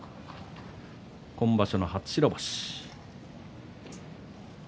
今場所の初白星。